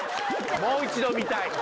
もう一度見たい！